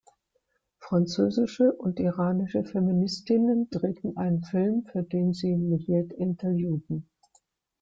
Französische und iranische Feministinnen drehten einen Film, für den sie Millett interviewten.